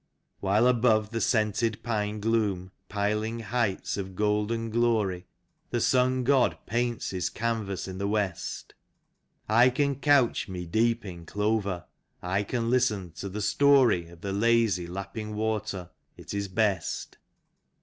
While above the scented pine gloom, piling heights of golden glory. The sun god paints his canvas in the west; I can couch me deep in clover, I can listen to the story Of the lazy, lapping water — ^it is best.